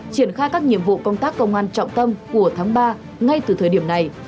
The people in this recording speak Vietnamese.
triển khai các nhiệm vụ công tác công an trọng tâm của tháng ba ngay từ thời điểm này